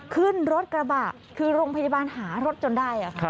ขึ้นรถกระบะคือโรงพยาบาลหารถจนได้ค่ะ